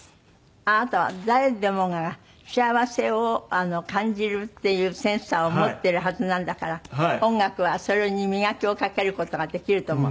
あなたは誰でもが幸せを感じるっていうセンサーを持ってるはずなんだから音楽はそれに磨きをかける事ができると思う。